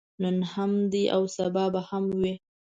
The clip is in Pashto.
نن هم دی او سبا به هم وي.